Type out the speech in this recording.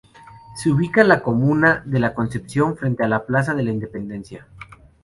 Se ubica en la comuna de Concepción, frente a la Plaza de la Independencia.